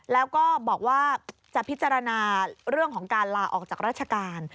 แล้วก็บอกว่าจะพิจารณาเรื่องของการลาออกจากราชการ